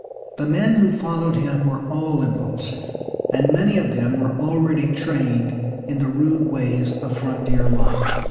The men who followed him were all impulsive, and many of them were already trained in the rude ways of frontier life.